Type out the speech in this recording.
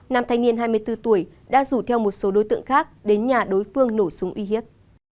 nam thanh niên hai mươi bốn tuổi đã rủ theo một số đối tượng khác đến nhà đối phương nổ súng uy hiếp